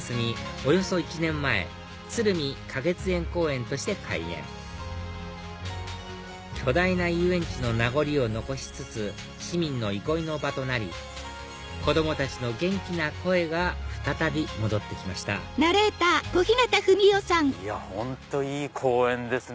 およそ１年前鶴見花月園公園として開園巨大な遊園地の名残を残しつつ市民の憩いの場となり子供たちの元気な声が再び戻って来ました本当いい公園ですね